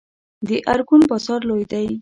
د ارګون بازار لوی دی